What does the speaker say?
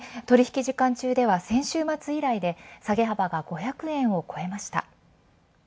取引時間中では先週末以来で下げ幅が５００円を超えました。